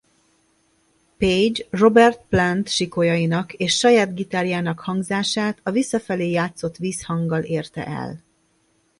Page Robert Plant sikolyainak és saját gitárjának hangzását a visszafelé játszott visszhanggal érte el.